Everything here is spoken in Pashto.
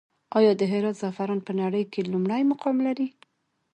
آیا د هرات زعفران په نړۍ کې لومړی مقام لري؟